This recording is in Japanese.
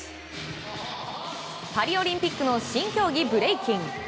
パリオリンピックの新競技ブレイキン。